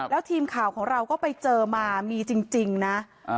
แล้วทีมข่าวของเราก็ไปเจอมามีจริงนะ